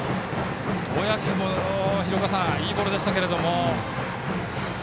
小宅もいいボールでしたけれども。